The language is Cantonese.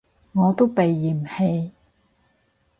我都被嫌棄